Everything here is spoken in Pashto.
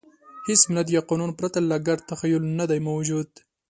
هېڅ ملت یا قانون پرته له ګډ تخیل نهدی موجود.